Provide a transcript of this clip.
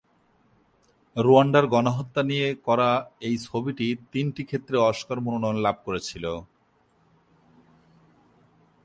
রুয়ান্ডার গণহত্যা নিয়ে করা এই ছবিটি তিনটি ক্ষেত্রে অস্কার মনোনয়ন লাভ করেছিল।